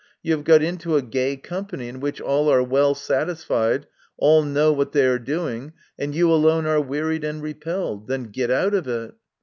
You have got into a gay company, in which all are well satisfied, all know what they are doing, and you alone are wearied and repelled ; then get out of it